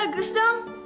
wah bagus dong